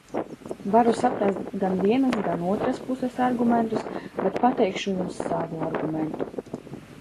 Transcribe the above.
Varu saprast gan vienas, gan otras puses argumentus, bet pateikšu jums savu argumentu.